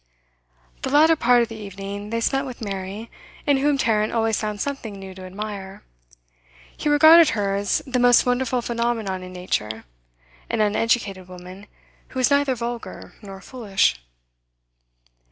The latter part of the evening they spent with Mary, in whom Tarrant always found something new to admire. He regarded her as the most wonderful phenomenon in nature an uneducated woman who was neither vulgar nor foolish.